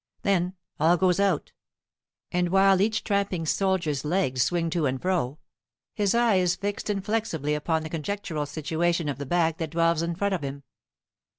Then, all goes out, and while each tramping soldier's legs swing to and fro, his eye is fixed inflexibly upon the conjectural situation of the back that dwells in front of him.